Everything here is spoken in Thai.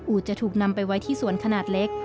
จะถูกนำไปไว้ที่สวนขนาดเล็ก